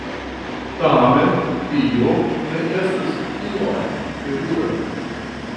Tamen, tio ne estas tiom terura.